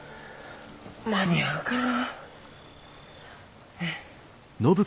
間に合うかな。